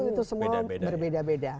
itu semua berbeda beda